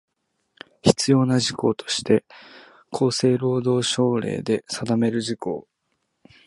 必要な事項として厚生労働省令で定める事項